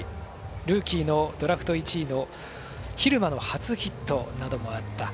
ルーキーのドラフト１位の蛭間の初ヒットなどもあった